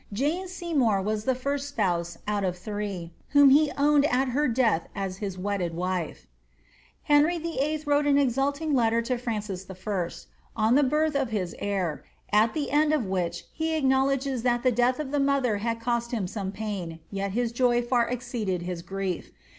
Jane Seymour was the first fpouse, out of three, whom he owned at her death as his wedded wife. Henry VIII. wrote an exulting letter to Francis I. on the birth of his heir, at the end of which he acknowledges that the death of the mother had cost him some pain, yet his joy far exceeded his grief.